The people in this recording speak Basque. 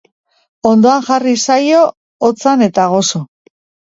Ondoan jarri zaio, otzan eta gozo.